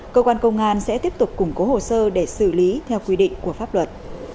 cơ quan công an sẽ tiếp tục củng cố hồ sơ để xử lý theo quy định của pháp luật